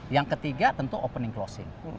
yang ketiga tentu opening closing